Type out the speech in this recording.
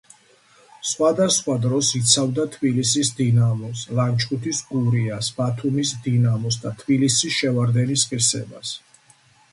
სხვადასხვა დროს იცავდა თბილისის „დინამოს“, ლანჩხუთის „გურიას“, ბათუმის „დინამოსა“ და თბილისის „შევარდენის“ ღირსებას.